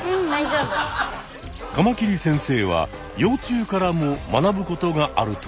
カマキリ先生は幼虫からも学ぶことがあるという。